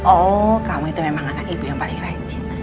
oh kamu itu memang anak ibu yang paling rajin